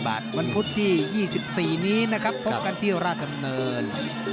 บาทวันพุธที่๒๔นี้นะครับพบกันที่ราชดำเนิน